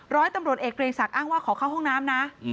ร้อยตำรวจเอกเกรงศักดิ์อ้างว่าขอเข้าห้องน้ำนะ